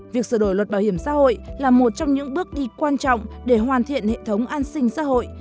việc sửa đổi luật bảo hiểm xã hội là một trong những bước đi quan trọng để hoàn thiện hệ thống an sinh xã hội